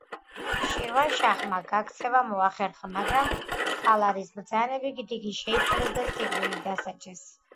შირვანშაჰმა გაქცევა მოახერხა, მაგრამ სალარის ბრძანებით, იგი შეიპყრეს და სიკვდილით დასაჯეს.